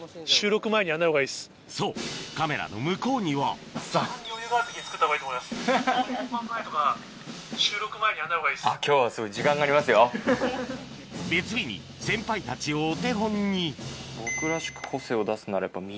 そうカメラの向こうには別日に先輩たちをお手本に僕らしく個性を出すならやっぱ。